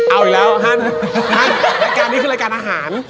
เอาอีกแล้วท่านรายการนี้คือรายการอาหาร